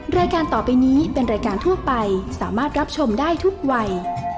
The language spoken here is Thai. รายการต่อไปนี้เป็นรายการทั่วไปสามารถรับชมได้ทุกวัย